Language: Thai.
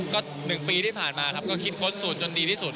ก็๑ปีที่ผ่านมาครับก็คิดค้นสูตรจนดีที่สุด